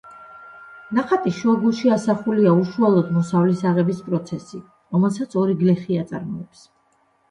ნახატის შუაგულში ასახულია უშუალოდ მოსავლის აღების პროცესი, რომელსაც ორი გლეხი აწარმოებს.